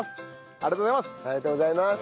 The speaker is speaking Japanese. ありがとうございます。